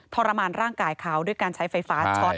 ทรมานร่างกายเขาด้วยการใช้ไฟฟ้าช็อต